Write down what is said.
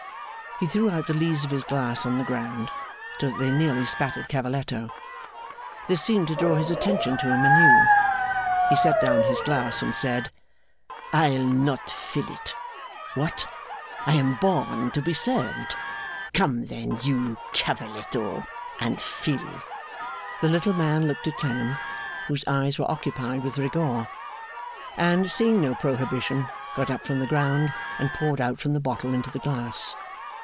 He threw out the lees of his glass on the ground, so that they nearly spattered Cavalletto. This seemed to draw his attention to him anew. He set down his glass and said: 'I'll not fill it. What! I am born to be served. Come then, you Cavalletto, and fill!' The little man looked at Clennam, whose eyes were occupied with Rigaud, and, seeing no prohibition, got up from the ground, and poured out from the bottle into the glass.